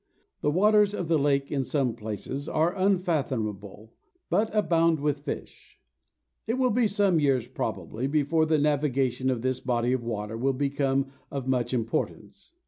The waters of the lake in some places are unfathomable, but abound with fish. It will still be some years, probably, before the navigation of this body of water will become of much importance.